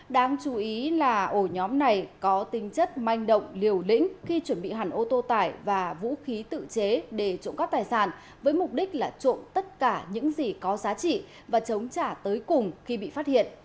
đáng chú ý là ổ nhóm này có tinh chất manh động liều lĩnh khi chuẩn bị hẳn ô tô tải và vũ khí tự chế để trộm cắp tài sản với mục đích là trộm tất cả những gì có giá trị và chống trả tới cùng khi bị phát hiện